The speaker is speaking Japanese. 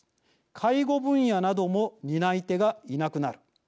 介護分野なども担い手がいなくなる。